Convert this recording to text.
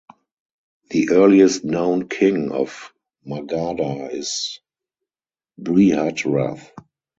The earliest known king of Magadha is Brihadrath.